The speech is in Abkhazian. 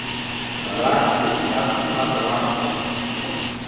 Арахьгьы ишәарҭахазар акәхап…